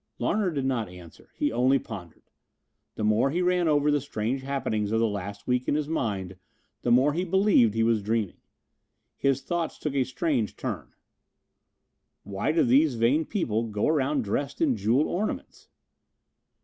Larner did not answer. He only pondered. The more he ran over the strange happenings of the last week in his mind the more he believed he was dreaming. His thoughts took a strange turn: "Why do these vain people go around dressed in jeweled ornaments?"